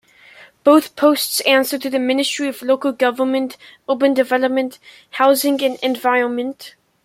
Both posts answer to the Ministry of Local Government, Urban Development, Housing and Environment.